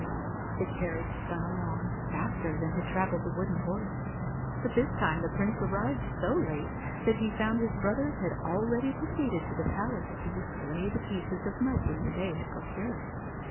The carriage spun along, faster than had travelled the wooden horse ; but this time the Prince arrived so late that he found his brothers had already proceeded to the palace to display the pieces of muslin they had procured.